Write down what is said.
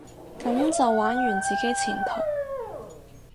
噉就玩完自己前途？